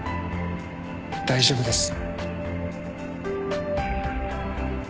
大丈夫です。